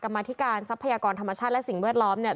มาธิการทรัพยากรธรรมชาติและสิ่งแวดล้อมเนี่ย